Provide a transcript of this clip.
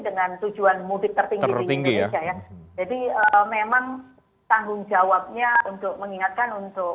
dengan tujuan mudik tertinggi di indonesia ya jadi memang tanggung jawabnya untuk mengingatkan untuk